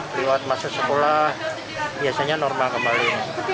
lewat masuk sekolah biasanya normal kembali